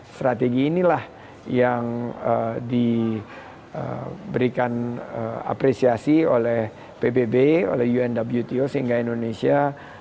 strategi inilah yang diberikan apresiasi oleh pbb oleh unwto sehingga indonesia